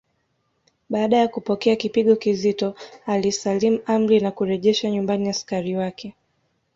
Baada ya kupokea kipigo kizito alisalimu amri na kurejesha nyumbani askari wake